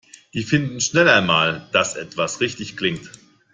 Die finden schnell einmal, dass etwas richtig klingt.